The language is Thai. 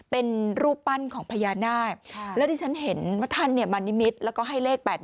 เป็นรูปปั้นของพญานาคแล้วที่ฉันเห็นว่าท่านมานิมิตรแล้วก็ให้เลข๘๘